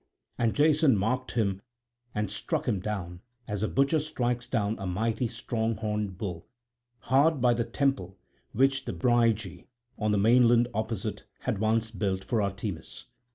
And Jason marked him and struck him down, as a butcher strikes down a mighty strong horned bull, hard by the temple which the Brygi on the mainland opposite had once built for Artemis.